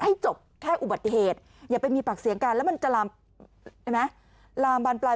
ให้จบแค่อุบัติเหตุอย่าไปมีปากเสียงกันแล้วมันจะลามเห็นไหมลามบานปลาย